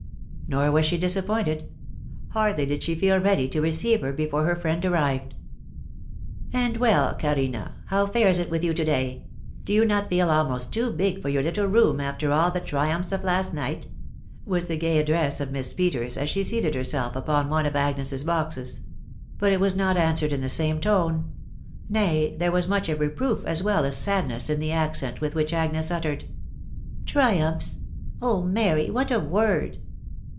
Nor was she disappointed .... hardly did she feel ready to receive her, before her friend arrived. " And well, Carina, how fares it with you to day ? Do you not feel almost too big for your little room after all the triumphs of last night ?" was the gay address of Miss Peters as she seated herself upon one of Agnes's boxes. But it was not answered in the same tone ; nay, there was much of reproof as .well as sadness in the accent with which Agnes uttered, —« Triumphs ! Oh ! Mary, what a w*rd